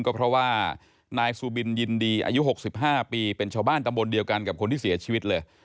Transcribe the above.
ก็เพราะว่านายซูบินยินดีอายุ๖๕ปีเป็นชาวบ้านตำบลเดียวกันกับคนที่เสียชีวิตเลย